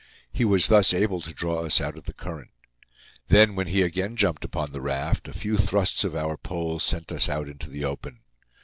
He was thus able to draw us out of the current. Then, when he again jumped upon the raft, a few thrusts of our poles sent us out into the open.